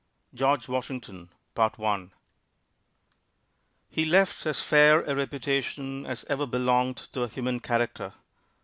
GEORGE WASHINGTON He left as fair a reputation as ever belonged to a human character....